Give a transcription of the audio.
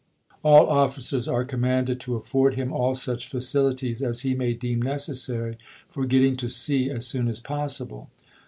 All officers are commanded to afford him all such facilities as he may deem necessary for getting to sea as soon as possible."